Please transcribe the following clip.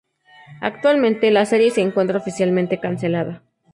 Actualmente la serie se encuentra oficialmente cancelada.